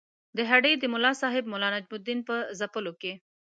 د هډې د ملاصاحب ملا نجم الدین په ځپلو کې.